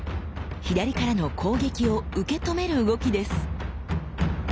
左からの攻撃を受け止める動きです。